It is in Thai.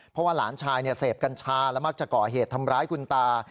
เพราะว่าหลานชายเสพกัญชาและมักจะก่อเหตุทำร้ายคุณตา